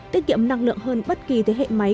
tiết kiệm năng lượng hơn bất kỳ thế hệ máy